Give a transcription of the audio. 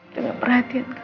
dengan perhatian kamu mas